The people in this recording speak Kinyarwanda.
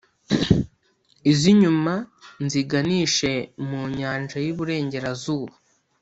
iz’inyuma nziganishe mu nyanja y’iburengerazuba,